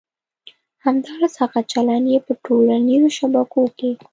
همداراز هغه چلند چې په ټولنیزو شبکو کې